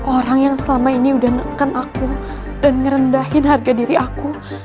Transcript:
orang yang selama ini udah nekan aku dan ngerendahin harga diri aku